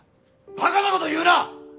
バカなこと言うな！